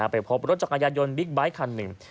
ไปพบรถจักรยานยนต์บิ๊กไบท์คันหนึ่ง